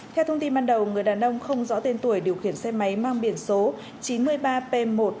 theo thông tin ban đầu người đàn ông không rõ tên tuổi điều khiển xe máy mang biển số chín mươi ba p một trăm tám mươi một nghìn bảy trăm chín mươi ba